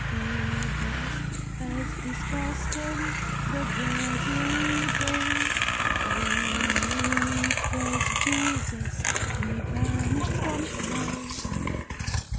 He blessed, as his custom, the bread ere he brake; They knew it was Jesus! And he vanished from sight.